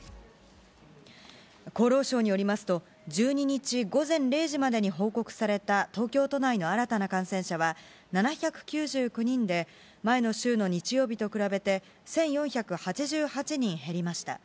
厚労省によりますと、１２日午前０時までに報告された東京都内の新たな感染者は、７９９人で、前の週の日曜日と比べて１４８８人減りました。